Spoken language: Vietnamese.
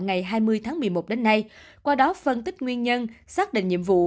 ngày hai mươi tháng một mươi một đến nay qua đó phân tích nguyên nhân xác định nhiệm vụ